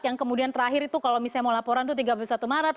yang kemudian terakhir itu kalau misalnya mau laporan itu tiga puluh satu maret